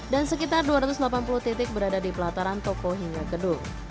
dan sekitar dua ratus delapan puluh titik berada di pelataran toko hingga gedung